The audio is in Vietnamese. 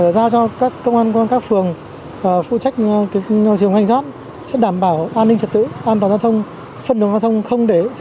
giao cho các công an quân các phường